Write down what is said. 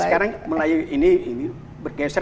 sekarang melayu ini bergeser